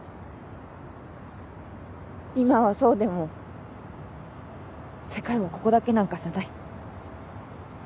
今はそうでも世界はここだけなんかじゃない。